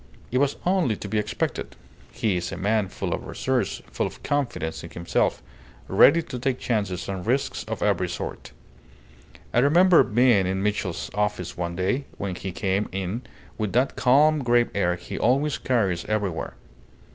It was only to be expected. He is a man full of resource, full of confidence in himself, ready to take chances and risks of every sort. I remember being in Mitchell's office one day, when he came in with that calm, grave air he always carries everywhere.